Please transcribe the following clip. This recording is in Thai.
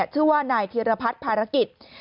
ชื่อว่านายธีรพัฒน์ภารกิจ